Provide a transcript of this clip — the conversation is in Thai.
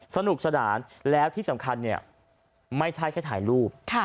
สนุกสนานแล้วที่สำคัญไม่ใช่ถ่ายรูป